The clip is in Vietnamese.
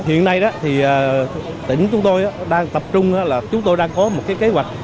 hiện nay đó thì tỉnh chúng tôi đang tập trung là chúng tôi đang có một cái kế hoạch